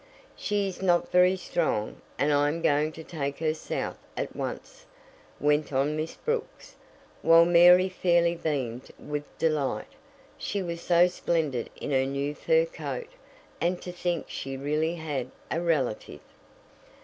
"She is not very strong, and I am going to take her south at once," went on Miss Brooks, while Mary fairly beamed with delight. She was so splendid in her new fur coat; and to think she really had a relative!